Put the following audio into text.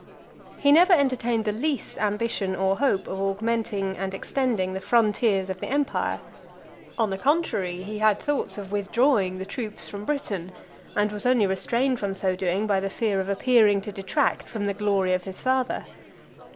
XVIII. He never entertained the least ambition or hope of augmenting and extending the frontiers of the empire. On the contrary, he had thoughts of withdrawing the troops from Britain, and was only restrained from so doing by the fear of appearing to detract from the glory of his father .